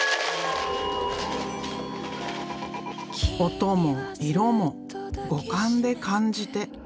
音も色も五感で感じて。